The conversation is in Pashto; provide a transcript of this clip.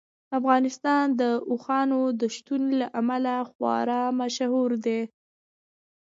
افغانستان د اوښانو د شتون له امله خورا مشهور دی.